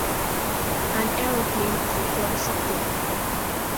An aeroplane is a clumsy thing.